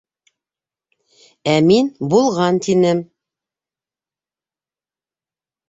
Ә мин булған тинем!